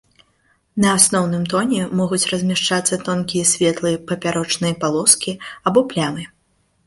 На асноўным тоне могуць размяшчацца тонкія светлыя папярочныя палоскі або плямы.